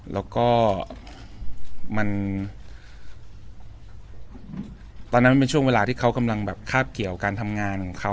และมันเป็นช่วงเวลาที่เขากำลังคาบเกี่ยวการทำงานของเขา